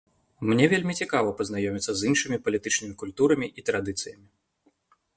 Мне вельмі цікава пазнаёміцца з іншымі палітычнымі культурамі і традыцыямі.